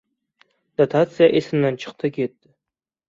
Dotatsiya esimdan chiqdi-ketdi!